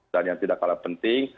dan yang tidak kalah penting